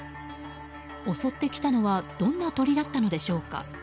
襲ってきたのはどんな鳥だったのでしょうか。